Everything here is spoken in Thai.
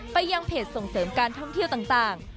ยังเพจส่งเสริมการท่องเที่ยวต่าง